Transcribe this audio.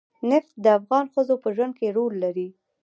نفت د افغان ښځو په ژوند کې رول لري.